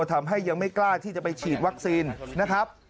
ทำให้ยังไม่กล้าที่จะไปฉีดวัคซีนนะครับ